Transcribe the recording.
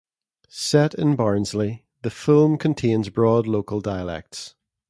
Set in Barnsley, the film contains broad local dialects.